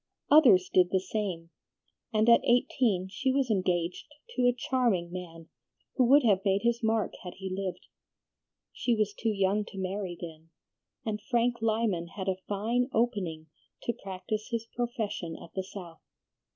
Others did the same, and at eighteen she was engaged to a charming man, who would have made his mark had he lived. She was too young to marry then, and Frank Lyman had a fine opening to practise his profession at the South.